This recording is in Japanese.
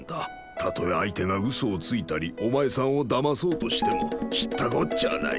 たとえ相手がうそをついたりお前さんをだまそうとしても知ったこっちゃあない。